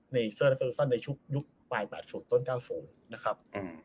ในเซอร์ตเตอรูฟันในชุดยุคปลาย๘๐ต้น๙๐นะครับ